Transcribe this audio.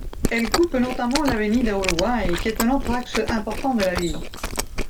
Elle coupe notamment l'avenida Uruguay qui est un autre axe important de la ville.